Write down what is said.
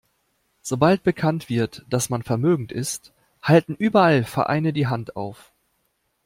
Sobald bekannt wird, dass man vermögend ist, halten überall Vereine die Hand auf.